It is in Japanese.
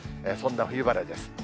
そんな冬晴れです。